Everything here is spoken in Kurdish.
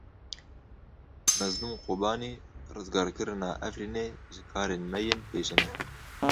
Mezlûm Kobanî Rizgarkirina Efrînê ji karên me yên pêşîn e.